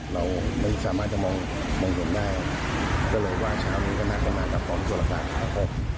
เราไม่สามารถจะมองมองเห็นได้ก็เลยว่าเช้านี้ก็น่าจะมากับกองสุรการนะครับ